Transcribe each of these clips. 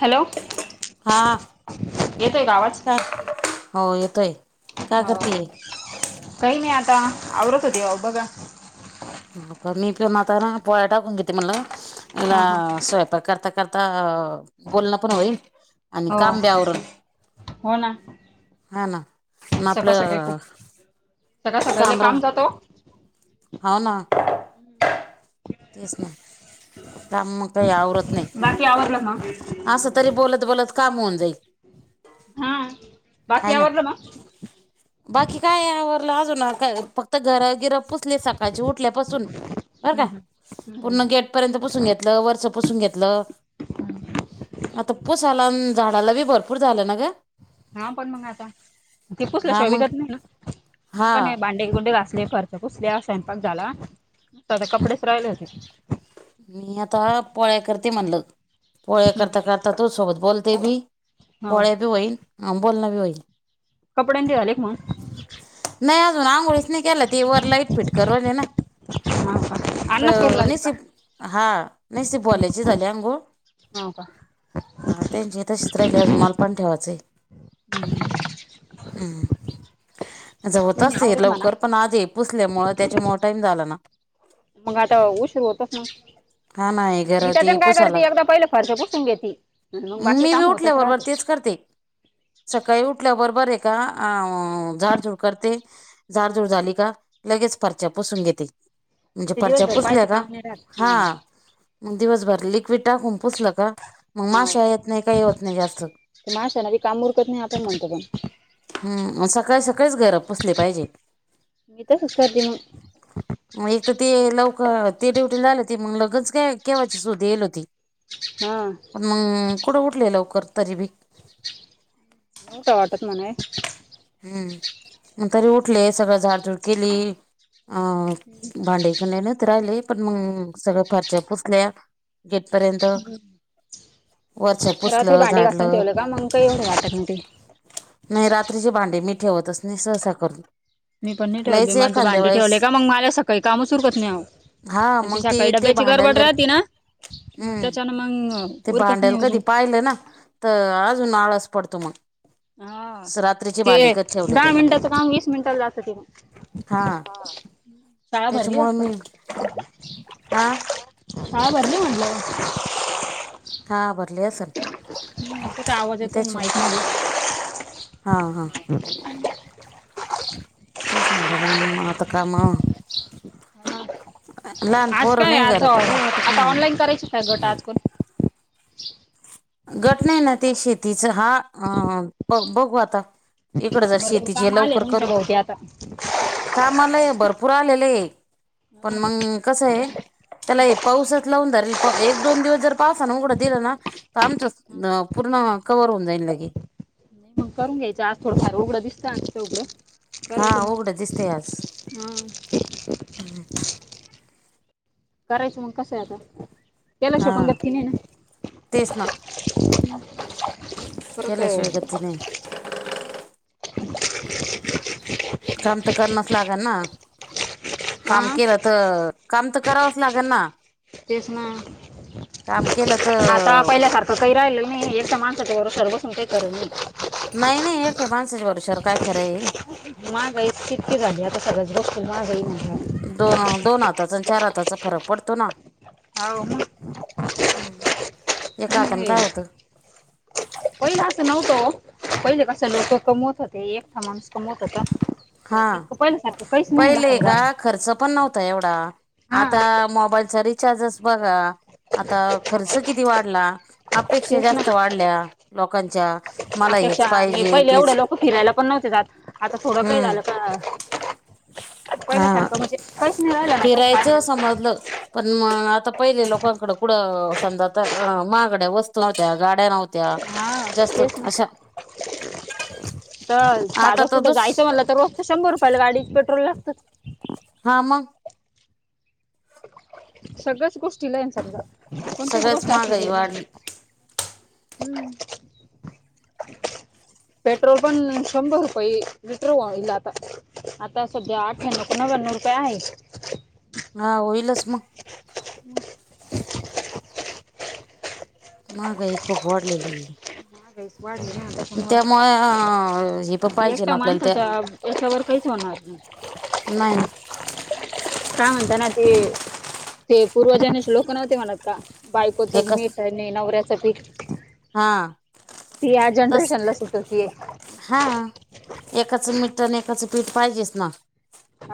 Hello, हा येतोय का आवाज? काय? हो येतय हो काही मी आता आवरत होते, बघा मी पण आता पोळ्या टाकून घेते म्हणलं, हा तीला हा स्वयंपाक करता करता बोलणं पण होईल, आणि हो काम बी आवरलं. हो ना हा ना म आपल सकाळी खूप सकाळ सकाळ लय काम जातो ओ, हो ना. हम्म. तेच ना, काम मग काही आवरत नाही. बाकी आवरलं मग अस! तरी बोलत- बोलत काम होऊन जाईल. हा. बाकी हाय ना, आवरलं मग बाकी काय आवरल अजून हा काय कत घराबिर पुसली सकाळची उठल्यापासून, बर हम्म का हम्म हम्म पूर्ण गेट पर्यंत पुसून घेतलं, वरच पुसून घेतलं. हम्म आता पूसायला आन झाडाला बी भरपूर झालं ना गं. हा पण मग आता, ते पुसलं हा शिवाय मग गत नाही ना, मी हा पण हे भाडं भाडे- कुंडे घासले, फरशा पुसल्या, स्वयंपाक झाला, कपडेच राहिले होते. मी आता पोळ्या करते म्हणल, पोळ्या करता करता तू सोबत बोलते बी हो पळ्या बी होईन, अं बोल ना बी होईन कपडे ते झाले का मग? नाही अजून आंघोळीच नाही केल्या, ती वर लाईट फिट कर होते ना. हां. [inaudible] तर निसिप, हा नीसिप वाल्यांची झाली अघोळं? हो का? हां त्यांची तशीच राहिली अजून मलापण ठेवायचं. हम्म. तसं होत तुम्ही असते आवरून म्हणा लवकर, पण आज हे पुसल्या मुळ त्याच्यामुळे टाईम झाला ना मग आता उशिर होतच ना! हा नाही मी घर ते त्याच्यान काय पुसायला करते एकदा पहिले फरशा पुसून घेते, आणि मग बाकी मी बी काम होतच उठल्याबरोबर राहते. तेच करते. सकाळी उठल्या बरोबर आहे का, झाडझुड करते. झाडझुड झाली का, लगेच फरच्या पोसून घेते. म्हणजे ते फरच्या दिवसभर पुसल्या पाहायचं का, काम नाही राहत हा मग दिवसभर लिक्विड टाकून पुसलं का, मग माशा येत नाही काय होत नाही जास्त त्या माशा न बी काम उरकत नाही. आपण म्हणतो पण हम सकाळी सकाळीच घर पुसले पाहिजे. मी तसंच करते मग मग एक तर ते लवकर ते ड्युटी झाले, त मग लगनच केव्हाची सुधा येल होती. हा पण मग कुठं उठले लवकर तरी बी नि उठाव वाटत मने हम्म मग तरी उठले सगळं झाड तुड केली, अ भांडे त राहिले पण मग सगळ फारशा पुसल्या गेटपर्यंत वरच रात्री पुसलं भांडी घासून झाडलं ठेवलं का मग का, [inaudible] नाही रात्रीचे भांडे मी ठेवतच नाही सहसा करुन. मी पण नाही ठेवत नाही, भांडे ठेवले का मला सकाळी कामच उरकत नाही आओ. हा आणि ती मग ते सकाळी ते डब्याची भांड्याला गडबड जर राहती ना. मग हम्म त्याच्यान मग उरकत नाही अजून. हा अजून आळस पडतो मग. हा रात्रीचे ते भांडे कधी ठेवले तर दहा मिनटाचं काम वीस मिनिटाला जात ते मंग, हा. शाळा भरली त्याच्यामुळं वाटत मी गं. हा शाळा भरली म्हणलं. हा बर. ह त्याचा आवाज येतोय त्याच्या माहती हा हा नाही [unintelligible] तेच म्हंटल आता कामं मध्ये आज काय आता, आता ऑनलाईन करायच काय गट आजपण. गट नाहीना ते शेतीचा हा अ ब बघू आता इकड जरा भरपूर शेतीची काम आले लवकर तुमच्या करू भोवती आता काम आलाय भरपूर आलेले. पण मग कस आहे, त्याला पाऊसच लावून धरलं एक दोन दिवस जर पावसान उघड दिलं ना, तर आमच पूर्ण कव्हर होऊन जाईन लगे. नाही मग करून घ्यायचं, आज थोडफार उघड दिसतय उघड. हा उघडं दिसतय आज. हा करायचं मग कसं आता, हा केलाशिवाय पण [inaudible] नाही ना. तेच ना परत केल्याशिवाय गती नाही. काम तर करणच लागल ना काम हा केलं तर काम तर करावंच लागल ना. तेच ना काम केलं आता तर पहिल्या सारख काही राहिलेल नाही एकट्या माणसं भरवश्यावर बसून काही खरं नाही. नाही नाही एकट्या मानसाच्या भरवश्यावर काय खरंय. मागई तितकी झाली, आता सगळ्याच गोष्टीत महागाई होनार. दोन दोन हाताचा आणि चार हाताचा फरक पडतो ना. हाव मग हम एका हातानी हे काय होतं. पहिलं असं नव्हतं ओ पहिले कस लोक कमवत होते एकटा माणूस कमवत होता. हा [unintelligible] नाही ना पहिले समजा का खर्च पण नव्हता एवढा हा आता मोबाईल री रीचार्ज बघा आता खर्च किती वाढला अपेक्षा तेच ना जास्त वाढल्या लोकांच्या. मला अपेक्षा हेच आणि पाहिजे पहिले एवढं तेच लोक फिरायला पण नव्हते जात. आता थोडं काही झालं हम्म का पहिला हा सारखं म्हणजे काईच नाही राहिलना. तस पाहायला गेल मद्लं. पण मग आता पहिले लोकांकडे कुड समजा आता महागड्या वस्तू नवत्या. गाड्या नव्हत्या. त्या हा जास्त तेच ना अशा तर आता साधं तर कुठं दुस जायचं म्हनला तर रोजच शंभर रुपयाला गाडीच पेट्रोल लागत. हा मग. सगळ्याच गोष्टी लायन समजा. कोणतीच सगळ्याच गोष्ट अशी महागाई हे नाहे. वाढली हम्म. पेट्रोल पण, शंभर रुपये लिटरल व्हाइल आता. आता सध्या आठ्याण्णव का नव्याण्णव रुपये आहे. हा होईलच म. महागाई खूप वाढलेलीय. महागाईस वाढली ना त्याच्यामुळे ते. त्यामुळे हे पण पाहिजे ना एकटा आपल्याला त्या माणसाच्या याच्यावर काहीच होणार नाही. नाही. काय म्हणता ना ते? ते पूर्वजांनेचे लोक नव्हते म्हणत का? बायकोचं एकच मीठ ह न नवऱ्याच पीठ. हा ती या तस जनरेशनला सुट होती. हा. एकाचं मीट आणि एकाचं पीठ पाहिजेच ना.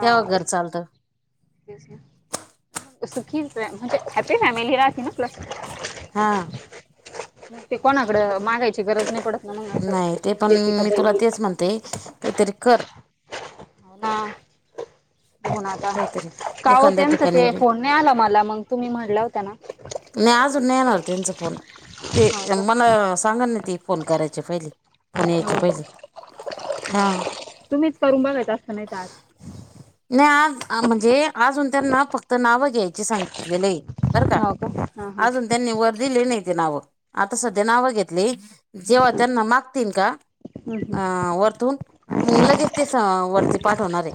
तेव्हा घर चालतं तेच ना. सुखी फ म्हणज हॅप्पी फॅमिली राहतीना प्लस. हा. मग ते कोणाकड मागायची गरज नाही पडत. ना मग असं नाही ते पण देते का मी तुला बहिणी तेच म्हणते. काहीतरी कर. हो ना. बघूना आता. काहीतरी का हो एखाद्या तेच ठिकाणी ते बी फोन नाही आला मला. मग तुम्ही म्हणलं होत ना. नाही आजून नाही नयेणारणार त्यांचां फोन. ते हो का मला सांगा ना ते फोन करायचे पहिले. फोन यायचे हो हो पहिले. हा. तुम्हीच करून बघायचा आस्ता नाहीत आज. नाही आज म्हणजे, अजून त्यांना फक्त नाव घ्यायचे सांगितलेलेय. हाव का? हा हां. त्यांनी वर दीली नाही ती नावं. आता सध्या घेतली. जेव्हा हम्म, त्यांना मागतील का? हम्म. वर्तून. मग लगेच ते वरती पाठवणारे.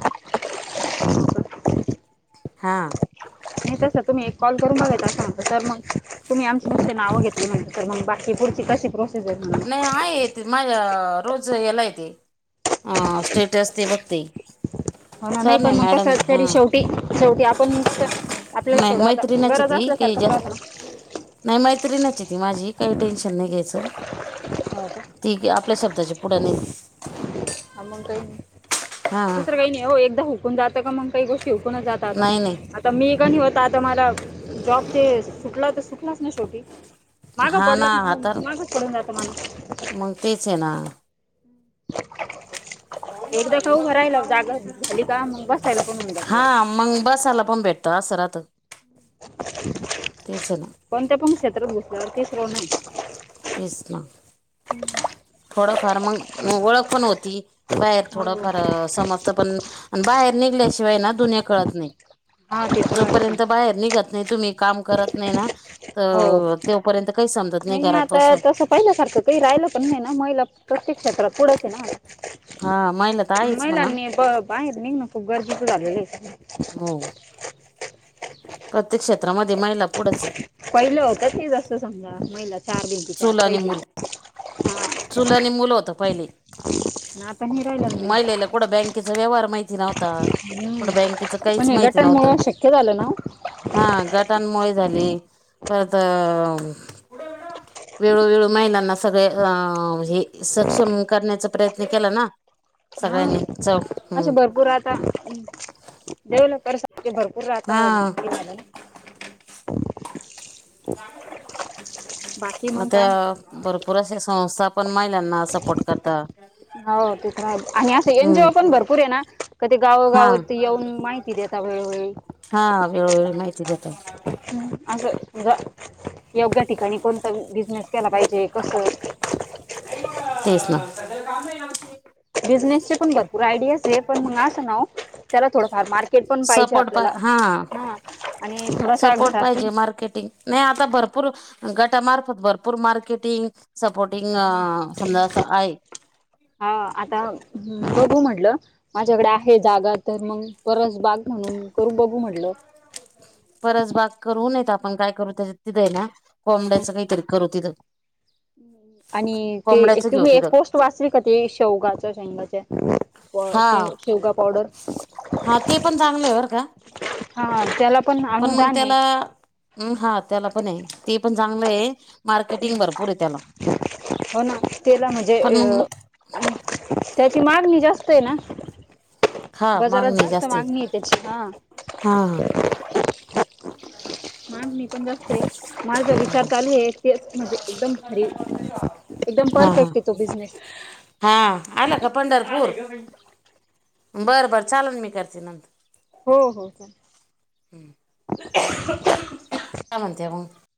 हा. नाही तसं तुम्ही एक कॉल करून बघाचा आसता तर मग. तुम्ही आमची नुस्तें नावं घेतली म्हणाता सर. मग बाकी पुढची कशी प्रो नाही आहे. येते माझ्या रोज यायलाय ते. अ स्टेटस ते बघते. हो ना. नाही सर पण मग मॅडम कसं, आहे तरी हां शेवटी, शेवटी आपण कस आपल्याला नाही थोडं आता मैत्रिणीची गरज ती काही असल्यासारखं जास्त राहतं ना. नाही मैत्रीनचे ती माझी. काही टेन्शन नाही घ्यायचं. हाव का? ती काय आपल्या शब्दाच्या पुढ नाही. हा मग काही नाही. हां दुसरं काही नाही ओ. एकदा हुकून जातं का मग काही गोष्टी हुकूनच जात. नाही नाही आता मी कणी होता आता मला जॉब ते सुटला तर सुटलाच ना शेवटी. मागं हा पडला ना माण हा माग पडून जात माणूस. क तेच ना. एकदा का उभं राहिलं जागा झाली का मग बसायला पण होऊन जाते हो. हा मग बसाला पण भेट. असे राहतं. तेच आहे ना कोणत्या पण क्षेत्रात घसलेवर तिसर नाही. तेच ना. थोडफार मग ओळख पण होती बाहेर हो थोडफार समज. बाहेर निघल्याशिवाय दुनिया कळत नाही हा तिसरं आहे. जोपर्य बाहेर. निघत नाही तुम्ही काम करत नाही ना तर तेपर्यंत काही समजत नाही. तर बसून तसं पहिल्यासारखं का राहिलं पण नाही ना महिला प्रत्येक क्षेत्रात पुढंच आहे ना. हा महिला तर आहेच म्हणा महिलांनी बाहेर आहेत निघ ना खूप गरजेचं झालेलं. हो. प्रत्येक क्षेत्रामध्ये महिला पुढच. पहिले हो का ती जसो समजा महिला चार चूल आणि भिंती मूल आत. चूल मुलं होत पहिले आता नाही राहिलं ना बाई महिलेला कोठ बँकेचा व्यवहार माहिती नव्हता. कुठं हम्म बँकेच पण काहीच हे माहिती गटांमुळे नव्हतं. शक्य झालं ना हा गटानमुळे झाली परत. वेळोवेेळू महिलांना सगळे अ हे सक्षम करण्याचा प्रयत्न केला ना. सगळ्यांनी चौ हम्म. डेव्हलप करते भरपूर राहता हा हे झालं ना. बाकी मग आता. काय म्हणतात भरपूर अशा संस्था पण महिलांना सपोर्ट करता. हो तिथ आहे आणि असं एन हम्म जीओ पण भरपूर आहे ना. क ते गावं गाव हा येऊन माहिती दे आता वेळवेळी. हा वेळोवेळी माहिती देतात असं योग्या ठिकाणी कोणता बिझनेस केला पाहिजे कसं. तेच ना. सग काम नाही आमची. बिझनेसचे पण भरपूर आयडियाज आहे पण मग असं ना त्याला थोडंफार मार्केट. केट पण पाहिजे सपोर्ट पा आपल्याला हा हा आणि थोडसा सपोर्ट घरातून. पाहिजे मार्केटिंग. नाही आता भरपूर. गटामार्फत भरपूर मार्केटिंग सपोर्टिंग समजा असं आहे. हा आता बघू म्हटलं. माझ्याकडे आहे जागा तर मग परस बाग म्हणून करू बघू म्हटलं. परस बाग करु न येत आपण काय करू त्याच्यात तिथं आहे ना कोंबड्याचं काहीतरी करू तिथं. हम्म. आणि ते कोंबड्याचं तुम घेऊ म्ही एक तिथं पोस्ट वाचली का ते शेवगाच्या शैंगाच्या. प हा शे शेवगा पावडर. हा ते पण चांगलं आहे वर का. हा हा त्याला. पण मग अनुदान आहे त्याला. हम्म हा त्याला पण आहे ते पण चांगलं आहे मार्केटिंग भरपूर आहे त्याला. हो ना तेला म्हणजे पण मग अ त्याची मागणी जास्त आहे ना. बाजारात जास्त मागणी आहे त्याची ह. हा हा हा मग मी पण घासते. मला जर विचार चालू हे तेच म्हणजे एकदम भारी एकदम हा हा परफेक्ट आहे तो बिझनेस. हा आला का पंढरपूर बर- बर चालल मी करते नंतर. हो - हो - हो. हम्म. काय म्हणते मग.